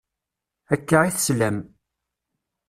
Akka i teslam.